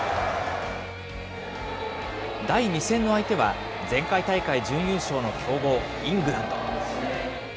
第２戦の相手は、前回大会準優勝の強豪イングランド。